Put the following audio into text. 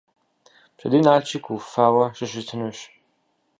Пщэдей Налшык уфауэ щыщытынущ.